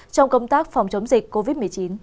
trong công tác phòng chống dịch covid một mươi chín